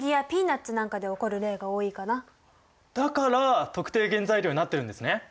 だから特定原材料になってるんですね。